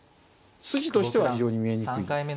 筋としては非常に見えにくい。